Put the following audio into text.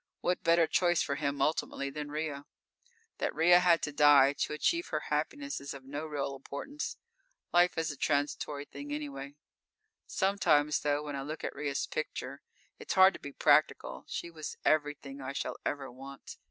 What better choice for him ultimately than Ria? That Ria had to die to achieve her happiness is of no real importance. Life is a transitory thing anyway. Sometimes, though, when I look at Ria's picture, it's hard to be practical. She was everything I shall ever want.